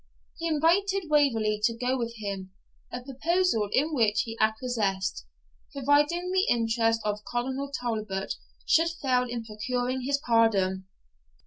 He invited Waverley to go with him, a proposal in which he acquiesced, providing the interest of Colonel Talbot should fail in procuring his pardon.